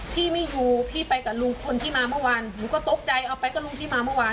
พี่ไม่อยู่พี่ไปกับลุงพลที่มาเมื่อวานหนูก็ตกใจเอาไปก็ลุงที่มาเมื่อวาน